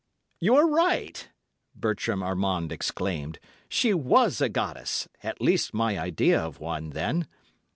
"You are right," Bertram Armand exclaimed. "She was a goddess—at least my idea of one, then.